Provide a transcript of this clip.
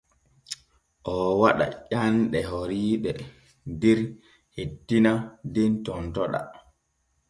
O waɗa ƴanɗe horiiɗe der hettina den tontoɗaa.